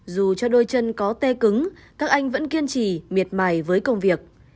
dù cho đôi chân có tê cứng các anh vẫn kiên trì miệt mài với công việc